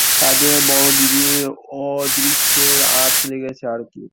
তাদের বড়দিদির অদৃষ্টের আঁচ লেগেছে আর-কি।